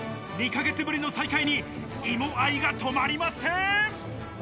２ヶ月ぶりの再会に芋愛が止まりません。